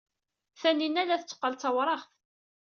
Taninna la tetteqqal d tawraɣt.